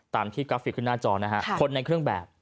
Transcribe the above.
ตามที่กราฟิกขึ้นหน้าจอนะฮะคนในเครื่องแบบ